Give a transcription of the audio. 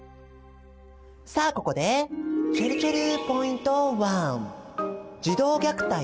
さあここでちぇるちぇるポイント１。